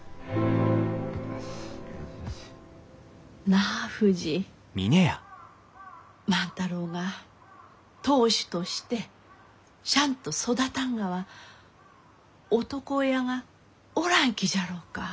なあふじ万太郎が当主としてシャンと育たんがは男親がおらんきじゃろうか？